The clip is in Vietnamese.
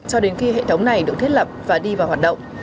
cho đến khi hệ thống này được thiết lập và đi vào hoạt động